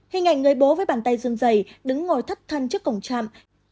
hình ảnh người bố với bàn tay dương dày đứng ngồi thất thân trước còng trạm